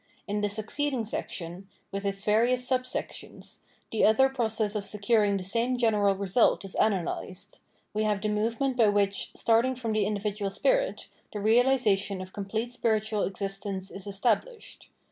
In the succeeding section, with its various subsections, the other process of securing the same general result is analysed : we have the movement by which, starting from the in dividual spirit, the realisation of complete spiritual existence is established.